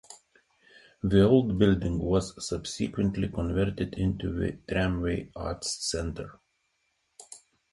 The old building was subsequently converted into the Tramway arts centre.